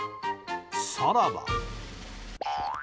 さらば！